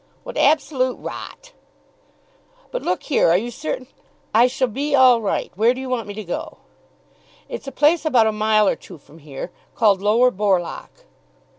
"What absolute rot!" "But, look here, are you certain " "I shall be all right. Where do you want me to go?" "It's a place about a mile or two from here, called Lower Borlock."